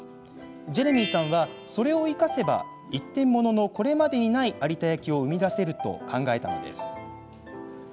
ジェレミーさんはそれを生かせば、一点物のこれまでにない有田焼を生み出せると考えたのです。